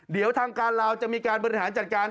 เดี๋ยวทางการลาวจะมีการบริหารจัดการ